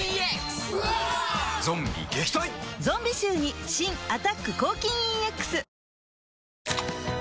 ゾンビ臭に新「アタック抗菌 ＥＸ」